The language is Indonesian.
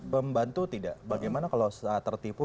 membantu tidak bagaimana kalau saat tertipu